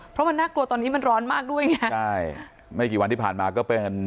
เพราะมันน่ากลัวตอนนี้มันร้อนมากด้วยไงใช่ไม่กี่วันที่ผ่านมาก็เป็น